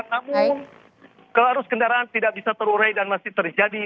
namun keharus kendaraan tidak bisa terurai dan masih terjadi